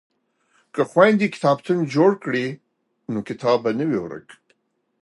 که خویندې کتابتون جوړ کړي نو کتاب به نه وي ورک.